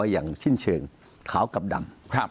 อย่างสิ้นเชิงขาวกับดำ